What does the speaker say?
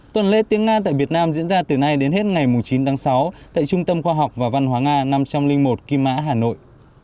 tuần lễ tiếng nga tại việt nam diễn ra từ nay đến hết ngày chín tháng sáu tại trung tâm khoa học và văn hóa nga năm trăm linh một kim mã hà nội